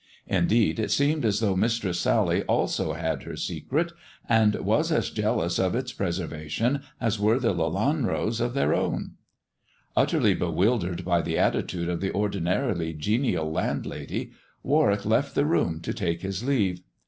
Indeed, it seemed as though Mistress Sally also had her secret, and was as jealous of its preservation as were the Lelanros of their own. Utterly bewildered by the attitude of the ordinarily genial landlady, Warwick left the room to take his leave.